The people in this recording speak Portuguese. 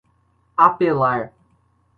apelar